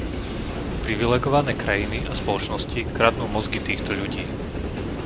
Privilegované krajiny a spoločnosti kradnú mozgy týchto ľudí.